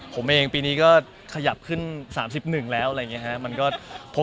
ผมเองปีนี้ก็ขยับขึ้น๓๑แล้วอะไรอย่างนี้ครับ